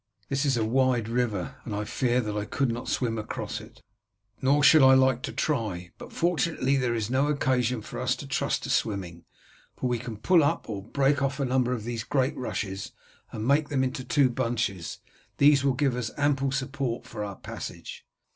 "This is a wide river, and I fear that I could not swim across it." "Nor should I like to try. But fortunately there is no occasion for us to trust to swimming; for we can pull up or break off a number of these great rushes and make them into two bunches; these will give us ample support for our passage."